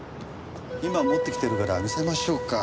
今持ってきてるから見せましょうか。